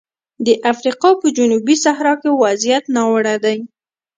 د افریقا په جنوبي صحرا کې وضعیت ناوړه دی.